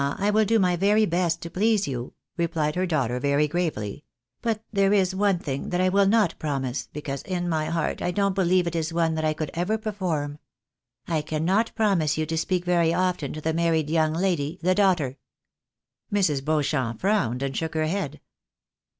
I •will do my very best to please you," replied her daughter, very gravely ;" but there is one thing that I will not promise, because in my heart I don't beheve it is one that I could ever perform. I cannot promise you to speak very often to the married young lady, the daughter." Mrs. Beauchamp frowned, and shook her head.